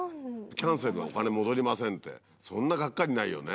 キャンセルでお金戻りませんってそんながっかりないよね。